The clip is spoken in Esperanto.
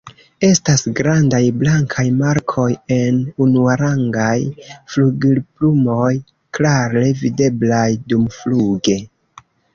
Estas grandaj blankaj markoj en unuarangaj flugilplumoj, klare videblaj dumfluge.